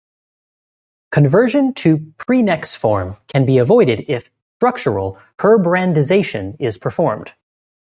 Conversion to prenex form can be avoided, if "structural" Herbrandization is performed.